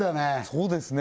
そうですね